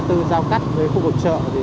giao cắt với khu vực trợ